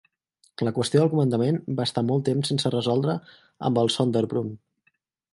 La qüestió del comandament va estar molt temps sense resoldre amb el Sonderbund.